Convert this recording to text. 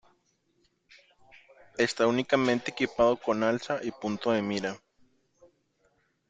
Está únicamente equipado con alza y punto de mira.